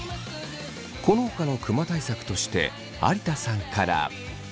このほかのクマ対策として有田さんから。